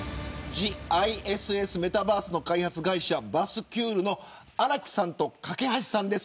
ＴＨＥＩＳＳＭＥＴＡＶＥＲＳＥの開発会社バスキュールの荒木さんと桟さんです。